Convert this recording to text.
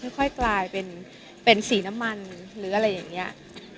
ค่อยกลายเป็นสีน้ำมันหรืออะไรอย่างนี้